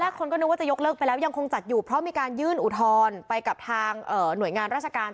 คนก็นึกว่าจะยกเลิกไปแล้วยังคงจัดอยู่เพราะมีการยื่นอุทธรณ์ไปกับทางหน่วยงานราชการ